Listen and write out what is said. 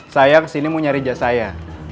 saya kesini mau nyari jasaya